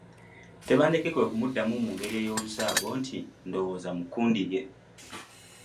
Tebandeke kwe kumuddamu mu ngeri y’olusaago nti Ndowooza mu kkundi lye.